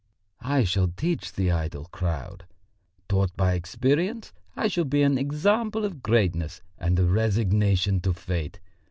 I shall teach the idle crowd. Taught by experience, I shall be an example of greatness and resignation to fate!